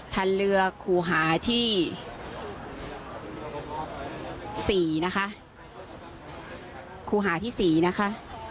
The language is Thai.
เรือคูหาที่สี่นะคะครูหาที่สี่นะคะ